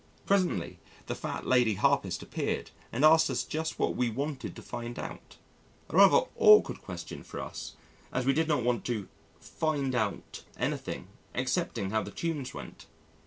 Presently, the fat lady harpist appeared and asked us just what we wanted to find out a rather awkward question for us, as we did not want to "find out" anything excepting how the tunes went.